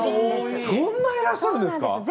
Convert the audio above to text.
そんないらっしゃるんですか！